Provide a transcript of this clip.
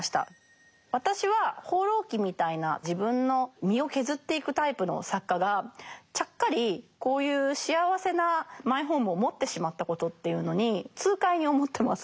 私は「放浪記」みたいな自分の身を削っていくタイプの作家がちゃっかりこういう幸せなマイホームを持ってしまったことっていうのに痛快に思ってます。